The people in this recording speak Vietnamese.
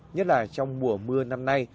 nhất là trong mùa mưa năm nay